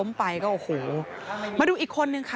มันมีโอกาสเกิดอุบัติเหตุได้นะครับ